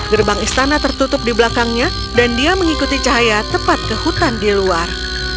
gerbang istana tertutup di belakangnya dan dia mengikuti cahaya tepat ke hutan di luar